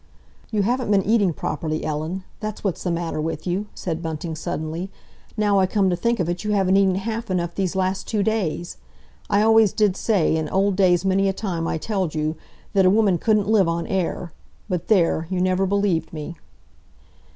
"You haven't been eating properly, Ellen—that's what's the matter with you," said Bunting suddenly. "Now I come to think of it, you haven't eat half enough these last two days. I always did say—in old days many a time I telled you—that a woman couldn't live on air. But there, you never believed me!"